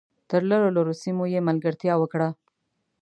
تر لرو لرو سیمو یې ملګرتیا وکړه .